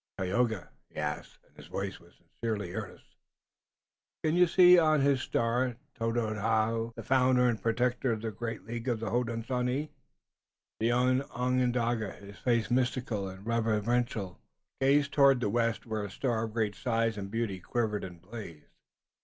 "Tayoga," he asked, and his voice was sincerely earnest, "can you see on his star Tododaho, the founder and protector of the great league of the Hodenosaunee?" The young Onondaga, his face mystic and reverential, gazed toward the west where a star of great size and beauty quivered and blazed.